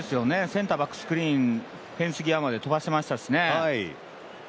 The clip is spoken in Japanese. センターバックスクリーン、フェンス際まで飛ばしてましたからね。